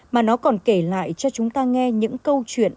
mà nó còn kể lại cho chúng ta nghe những câu chuyện